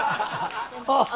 ああ！